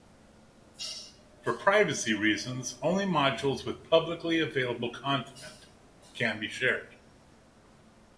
For privacy reasons, only modules with publicly available content can be shared.